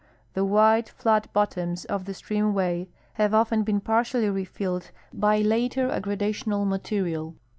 The wide, flat bottoms of the streaiUAvay have often been partially refilled by later aggrada tional material.